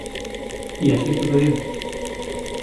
Y así sucedió.